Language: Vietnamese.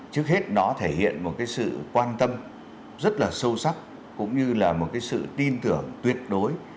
trước hết nó thể hiện một sự quan tâm rất sâu sắc cũng như là một sự tin tưởng tuyệt đối